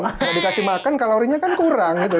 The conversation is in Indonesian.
kalau dikasih makan kalorinya kan kurang gitu